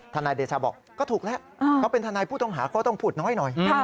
นายเดชาบอกก็ถูกแล้วเขาเป็นทนายผู้ต้องหาเขาต้องพูดน้อยหน่อย